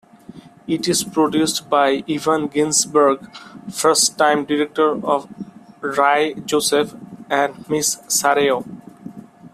It is produced by Evan Ginzburg, first-time director Rye Joseph and Ms. Sareo.